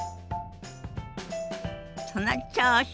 その調子！